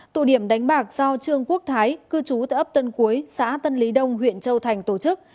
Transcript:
tụ điểm đánh bạc do trương quốc thái cư trú tại ấp tân cuối xã tân lý đông huyện châu thành tổ chức